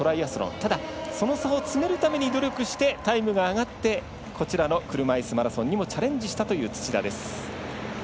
ただ、その差を詰めるために努力してタイムが上がって車いすマラソンにもチャレンジした土田です。